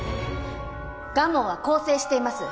蒲生は更生しています。